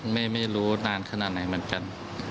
ไม่รู้นานขนาดไหนเหมือนกัน